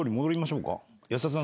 安田さん。